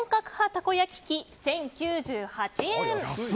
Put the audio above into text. たこ焼き器、１０９８円。